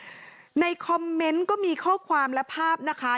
ในคอมเมนต์ก็มีข้อความและภาพนะคะ